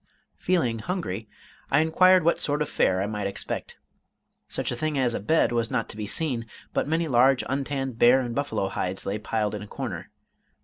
Feeling hungry, I inquired what sort of fare I might expect. Such a thing as a bed was not to be seen, but many large untanned bear and buffalo hides lay piled in a corner.